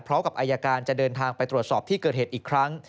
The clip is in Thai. พร้อมกับอายการจะเดินทางไปตรวจสอบที่เกิดเหตุอีกครั้ง